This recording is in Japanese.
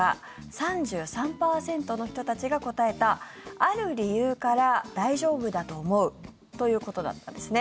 ３３％の人たちが答えたある理由から大丈夫だと思うということだったんですね。